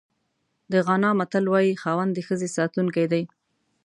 د غانا متل وایي خاوند د ښځې ساتونکی دی.